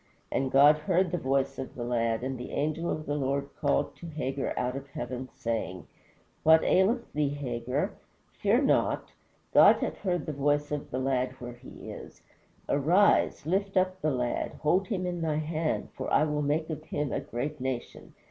And God heard the voice of the lad, and the angel of the Lord called to Hagar out of heaven, saying, What aileth thee, Hagar? fear not. God hath heard the voice of the lad where he is. Arise, lift up the lad, hold him in thy hand, for I will make of him a great nation.